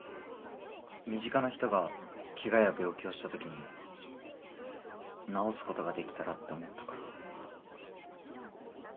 身近な人が怪我や病気をした時に治すことができたらって思ったから。